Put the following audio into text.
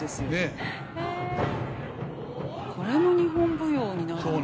これも日本舞踊になるんだ。